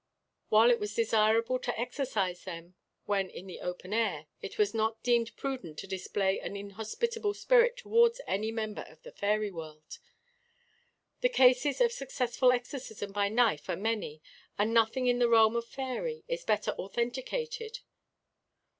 While it was desirable to exorcise them when in the open air, it was not deemed prudent to display an inhospitable spirit towards any member of the fairy world. The cases of successful exorcism by knife are many, and nothing in the realm of faerie is better authenticated.